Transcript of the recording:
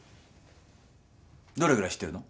どれぐらい知ってるの？